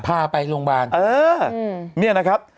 พาไปโรงพยาบาล